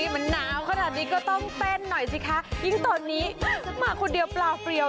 มันหนาวขนาดนี้ก็ต้องเต้นหน่อยสิคะยิ่งตอนนี้มาคนเดียวเปล่าเฟรียว